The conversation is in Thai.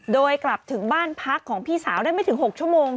โดยกลับถึงบ้านพักของพี่สาวได้ไม่ถึง๖ชั่วโมง